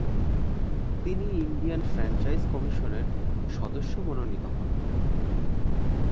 তিনি Indian franchise কমিশনের সদস্য মনোনীত হন।